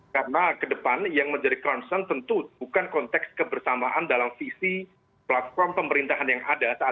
karena kedepan yang menjadi klansen tentu bukan konteks kebersamaan dalam visi platform pemerintahan yang ada saat ini